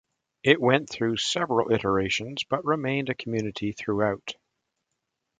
It went through several iterations but remained a community throughout.